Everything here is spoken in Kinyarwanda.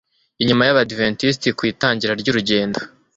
inyuma y'Abadiventisiti ku itangira ry'urugendo.